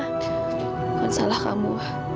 bukan salah kamu